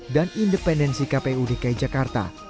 dan independensi kpu dki jakarta